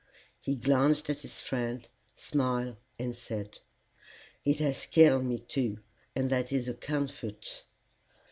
He glanced at his friend, smiled, and said, "It has killed me too, and that is a comfort."